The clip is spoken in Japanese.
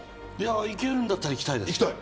行けるんだったら行きたいです。